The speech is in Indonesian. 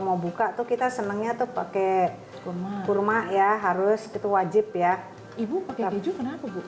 mau buka tuh kita senengnya tuh pakai kurma ya harus itu wajib ya ibu pakai baju kenapa bu